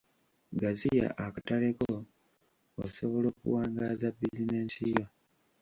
Gaziya akatale ko osobola okuwangaaza bizinensi yo.